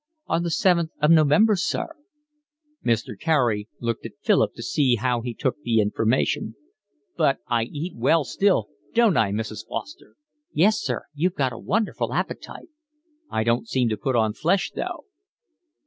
"On the seventh of November, sir." Mr. Carey looked at Philip to see how he took the information. "But I eat well still, don't I, Mrs. Foster?" "Yes, sir, you've got a wonderful appetite." "I don't seem to put on flesh though."